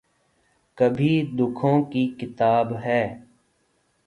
کبھی دکھوں کی کتاب ہے